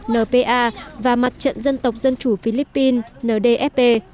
npa và mặt trận dân tộc dân chủ philippines ndfp